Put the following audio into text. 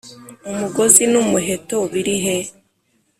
umugozi n'umuheto birihe,